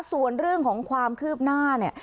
ส่วนเรื่องของความคืบหน้าเนี่ย